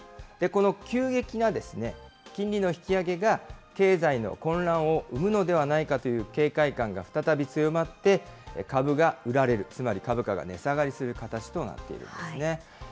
この急激な金利の引き上げが経済の混乱を生むのではないかという警戒感が再び強まって、株が売られる、つまり株価が値下がりする形となっているんですね。